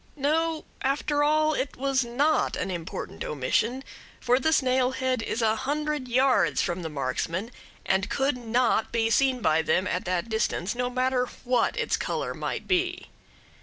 No, after all, it was not an important omission; for this nail head is a hundred yards from the marksmen, and could not be seen by them at that distance, no matter what its color might be.